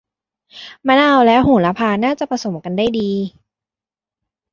มะนาวและโหระพาน่าจะผสมกันได้ดี